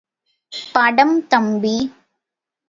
படம் – தம்பி!...